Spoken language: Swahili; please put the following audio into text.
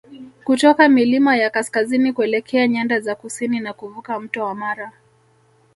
kutoka milima ya kaskazini kuelekea nyanda za kusini na kuvuka mto wa Mara